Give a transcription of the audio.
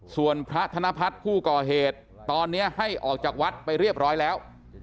ส่วนพระธนพัฒน์ผู้ก่อเหตุตอนนี้ให้ออกจากวัดไปเรียบร้อยแล้ว